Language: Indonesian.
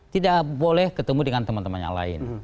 tidak boleh ketemu dengan teman teman yang lain